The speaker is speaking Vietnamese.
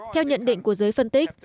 theo nhận định của giới phân tích